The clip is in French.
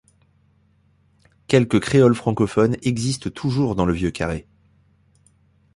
Quelques créoles francophones existent toujours dans le Vieux-Carré.